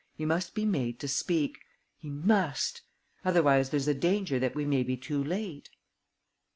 He must be made to speak. He must. Otherwise there's a danger that we may be too late."